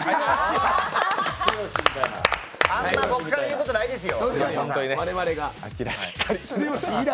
あんまり僕から言うことはないですよ。